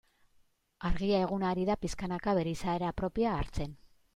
Argia eguna ari da pixkanaka bere izaera propioa hartzen.